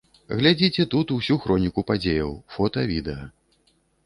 Глядзіце тут усю хроніку падзеяў, фота, відэа.